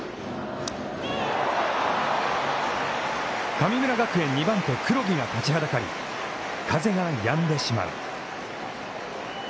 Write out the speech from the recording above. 神村学園２番手黒木が立ちはだかり風がやんでしまう。